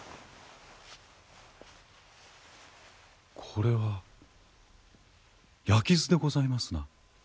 これは矢傷でございますな。